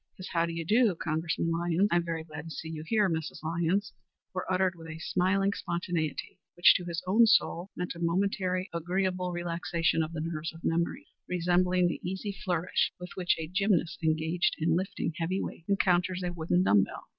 His "How do you do, Congressman Lyons? I am very glad to see you here, Mrs. Lyons," were uttered with a smiling spontaneity, which to his own soul meant a momentary agreeable relaxation of the nerves of memory, resembling the easy flourish with which a gymnast engaged in lifting heavy weights encounters a wooden dumb bell.